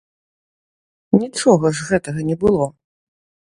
Нічога ж гэтага не было.